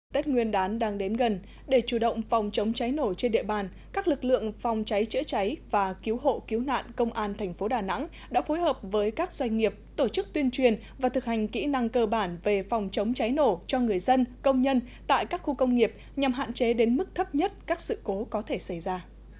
tết nguyên đán đang đến gần để chủ động phòng chống cháy nổ trên địa bàn các lực lượng phòng cháy chữa cháy và cứu hộ cứu nạn công an thành phố đà nẵng đã phối hợp với các doanh nghiệp tổ chức tuyên truyền và thực hành kỹ năng cơ bản về phòng chống cháy nổ cho người dân công nhân tại các khu công nghiệp nhằm hạn chế đến mức thấp nhất các sự cố có thể xảy ra